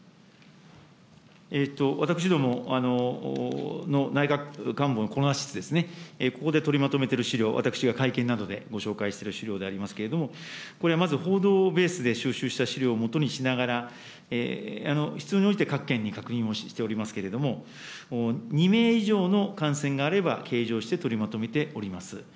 私どもの内閣官房のコロナ室ですね、ここで取りまとめている資料、私が会見などでご紹介している資料でありますけれども、これはまず、報道ベースで収集した資料を基にしながら、必要に応じて各県に確認をしておりますけれども、２名以上の感染があれば計上して、取りまとめております。